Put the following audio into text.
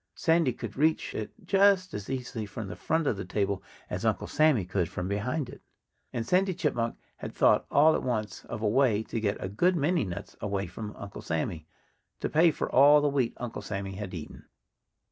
Sandy could reach it just as easily from the front of the table as Uncle Sammy could from behind it. And Sandy Chipmunk had thought all at once of a way to get a good many nuts away from Uncle Sammy, to pay for all the wheat Uncle Sammy had eaten.